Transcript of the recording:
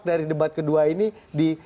dari debat kedua ini di